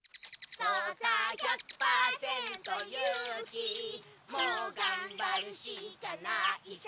「そうさ１００％勇気」「もうがんばるしかないさ」